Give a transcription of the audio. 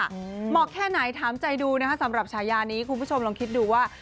เหมาะแค่ไหนถามใจดูนะคะสำหรับฉายานี้คุณผู้ชมลองคิดดูว่า